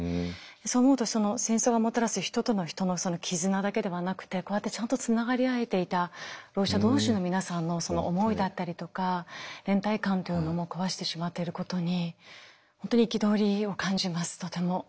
そう思うと戦争がもたらす人と人との絆だけではなくてこうやってちゃんとつながり合えていたろう者同士の皆さんの思いだったりとか連帯感というのも壊してしまっていることに本当に憤りを感じますとても。